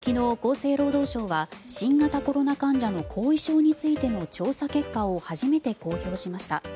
昨日、厚生労働省は新型コロナ患者の後遺症についての調査結果を初めて公表しました。